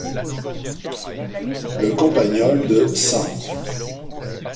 Le campagnol de St.